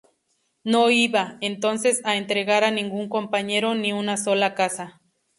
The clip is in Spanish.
No iba, entonces, a entregar a ningún compañero, ni una sola casa.